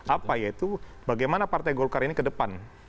apa yaitu bagaimana partai golkar ini ke depan